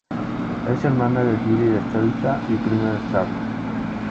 Es hermano de Yuri de Souza y primo de Charles.